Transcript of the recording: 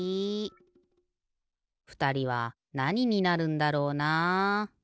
ふたりはなにになるんだろうな。